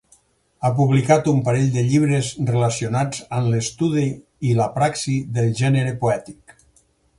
Ha publicat un parell de llibres relacionats amb l'estudi i la praxi del gènere poètic.